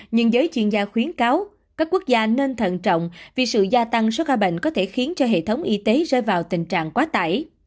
nhưng giới chuyên gia khuyến cáo các quốc gia nên thận trọng vì sự gia tăng số ca bệnh có thể khiến cho hệ thống y tế rơi vào tình trạng quá tải